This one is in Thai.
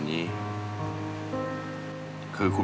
อยากเรียน